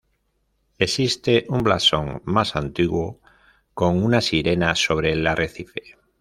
Existe un blasón más antiguo con una sirena sobre el arrecife.